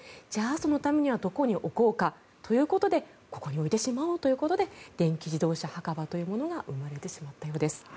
そのためにはどこに置こうかということでここに置いてしまおうということで電気自動車墓場が生まれてしまったようです。